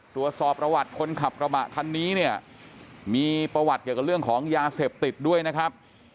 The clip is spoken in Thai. ตรวจสอบประวัติคนขับกระบะคันนี้เนี่ยมีประวัติเกี่ยวกับเรื่องของยาเสพติดด้วยนะครับ